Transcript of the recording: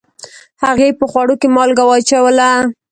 هغې په خوړو کې مالګه واچوله